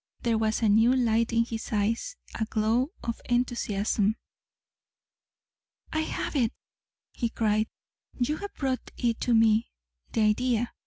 There was a new light in his eyes, a glow of enthusiasm. "I have it!" he cried. "You have brought it to me the idea.